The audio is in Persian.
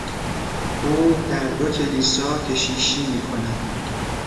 او در دو کلیسا کشیشی میکند.